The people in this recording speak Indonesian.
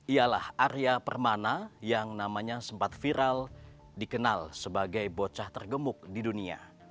ialah arya permana yang namanya sempat viral dikenal sebagai bocah tergemuk di dunia